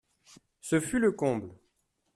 Ce fut le comble.